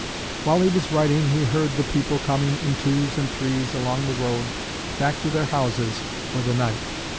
While he was writing he heard the people coming in twos and threes along the road back to their houses for the night.